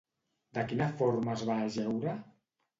De quina forma es va ajeure?